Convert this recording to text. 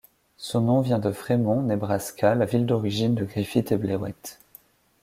Son nom vient de Fremont, Nebraska, la ville d’origine de Griffith et Blewett.